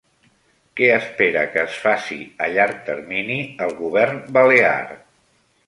Què espera que es faci a llarg termini el govern balear?